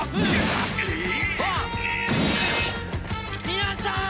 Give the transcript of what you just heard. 皆さーん！